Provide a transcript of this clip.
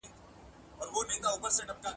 زما غویی که په منطقو پوهېدلای !.